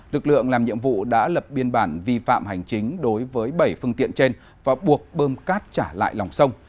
lực lượng làm nhiệm vụ đã lập biên bản vi phạm hành chính đối với bảy phương tiện trên và buộc bơm cát trả lại lòng sông